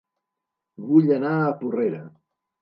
Vull anar a Porrera